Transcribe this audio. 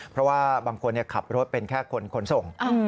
เพราะว่าบางคนขับรถเป็นแค่คนขนส่ง